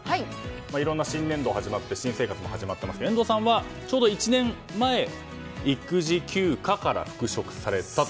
いろんな新年度が始まって新生活も始まっていますけど遠藤さんはちょうど１年前育児休暇から復職されたと。